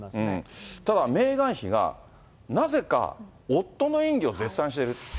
ただ、メーガン妃が、なぜか夫の演技を絶賛してる。